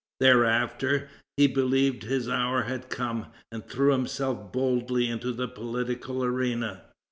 Thereafter, he believed his hour had come, and threw himself boldly into the political arena.